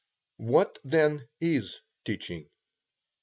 What, then, is teaching?